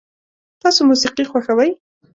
تاسو موسیقي خوښوئ؟